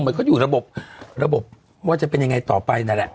มันก็อยู่ระบบระบบว่าจะเป็นยังไงต่อไปนั่นแหละ